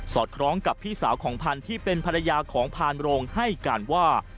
อดคล้องกับพี่สาวของพันธุ์ที่เป็นภรรยาของพานโรงให้การว่า